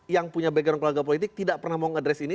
yang punya background keluarga politik tidak pernah mau ngedres ini